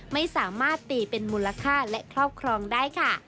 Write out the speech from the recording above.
ไม่สามารถตีเป็นมูลค่าและครอบครองได้ค่ะ